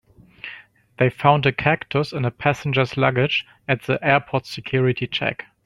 They found a cactus in a passenger's luggage at the airport's security check.